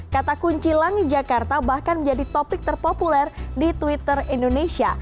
kata kunci langi jakarta bahkan menjadi topik terpopuler di twitter indonesia